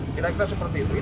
kira kira seperti itu